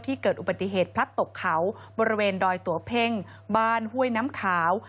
เกิดอุบัติเหตุพลัดตกเขาบริเวณดอยตัวเพ่งบ้านห้วยน้ำขาว